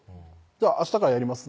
「明日からやります」